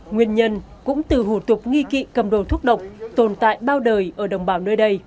nguyên nhân cũng từ hủ tục nghi kỵ cầm đồ thuốc độc tồn tại bao đời ở đồng bào nơi đây